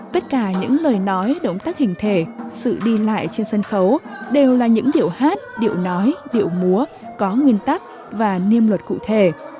tất cả những lời nói động tác hình thể sự đi lại trên sân khấu đều là những điệu hát điệu nói điệu múa có nguyên tắc và niêm luật cụ thể